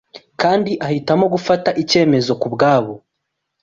Kandi abahitamo gufata icyemezo kubwabo